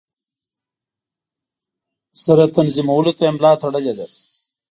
سره تنظیمولو ته یې ملا تړلې ده.